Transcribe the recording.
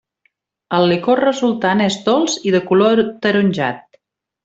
El licor resultant és dolç i de color ataronjat.